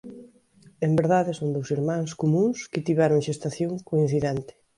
En verdade son dous irmáns comúns que tiveron xestación coincidente.